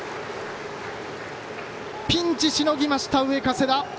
ピンチしのぎました、上加世田。